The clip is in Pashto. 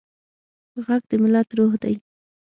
غږ د ملت روح دی